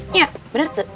iya bener tuh